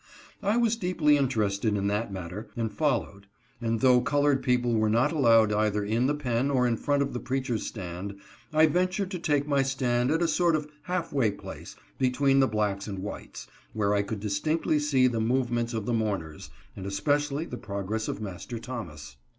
I was deeply interested in that matter, and followed ; and though colored people were not allowed either in the pen, or in front of the preacher's stand, I ventured to take my stand at a sort of half way place between the blacks and whites, where I could distinctly see the movements of the mourners, and especially the progress of Master Thomas.